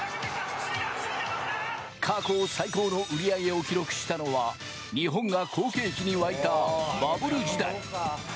過去最高の売り上げを記録したのは日本が好景気に沸いたバブル時代。